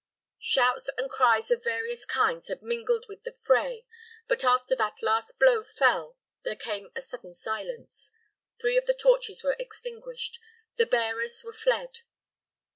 Shouts and cries of various kinds had mingled with the fray, but after that last blow fell there came a sudden silence. Three of the torches were extinguished; the bearers were fled.